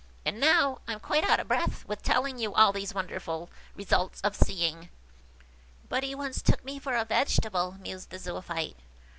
And now, I'm quite out of breath with telling you all these wonderful results of seeing." "But he once took me for a vegetable," mused the Zoophyte.